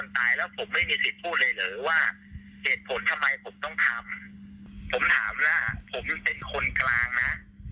ผลทำไมผมต้องทำผมถามนะผมยังเป็นคนกลางนะ